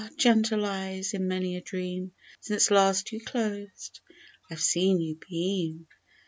gentle eyes ! in many a dream Since last you closed, I've seen you beam !